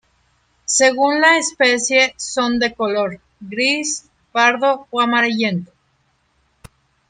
Según la especie, son de color gris, pardo o amarillento.